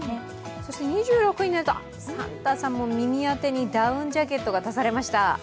そして２６になると、サンタさんも耳当てにダウンジャケットが足されました。